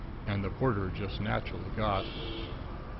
And the porter just naturally got.